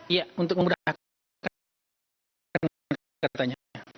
iya untuk memudahkan